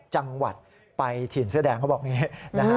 ๑๖จังหวัดไปถีนเสื้อแดงเขาบอกอย่างนี้